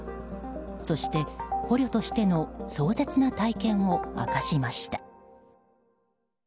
そして、捕虜としての壮絶な体験を明かしました。